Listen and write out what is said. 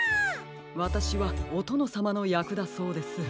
わたしはおとのさまのやくだそうです。